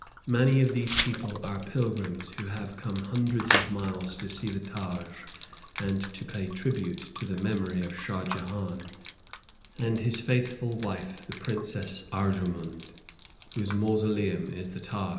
Many of these people are pilgrims who have come hundreds of miles to see the Taj, and to pay tribute to the memory of Shah Jehan, and his faithful wife the Princess Arjumund, whose mausoleum is the Taj.